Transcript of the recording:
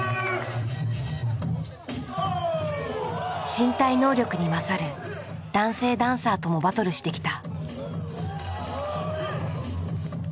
身体能力に勝る男性ダンサーともバトルしてきた。